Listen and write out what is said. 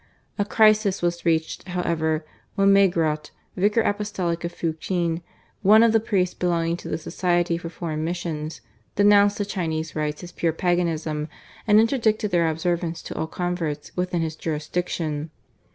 A crisis was reached, however, when Maigrot, vicar apostolic of Fu Kien, one of the priests belonging to the Society for Foreign Missions, denounced the Chinese Rites as pure paganism, and interdicted their observance to all converts within his jurisdiction.